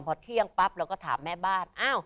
พอเที่ยงปั๊บเราก็ถามแม่บ้านอ้าว